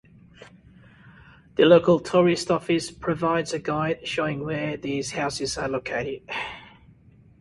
The local tourist office provides a guide showing where these houses are located.